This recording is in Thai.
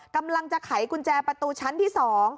กำลังจะไขกุญแจประตูชั้นที่๒